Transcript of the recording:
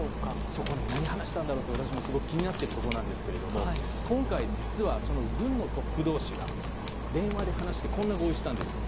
そこ、何を話したんだろうと私もすごく気になっているところなんですが今回、実は軍のトップ同士が電話で話してこんな合意をしたんです。